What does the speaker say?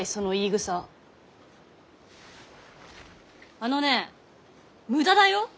あのねえ無駄だよ？